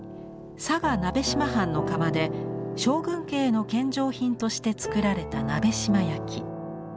佐賀鍋島藩の窯で将軍家への献上品として作られた鍋島焼。